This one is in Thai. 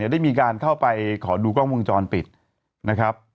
ได้มีการเข้าไปขอดูกล้องวงจรปิดนะครับ